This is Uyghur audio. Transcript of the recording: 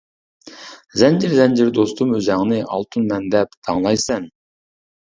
زەنجىر زەنجىر دوستۇم ئۆزۈڭنى، ئالتۇن مەن دەپ داڭلايسەن.